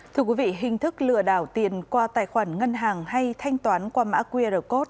thưa quý vị hình thức lừa đảo tiền qua tài khoản ngân hàng hay thanh toán qua mã qr code